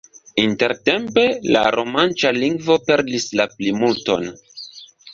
Intertempe la romanĉa lingvo perdis la plimulton.